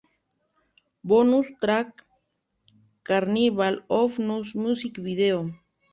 Bonus Track: Carnival of Rust music video